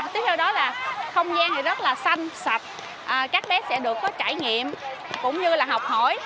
thì rất là xanh sạch các bé sẽ được có trải nghiệm cũng như là học hỏi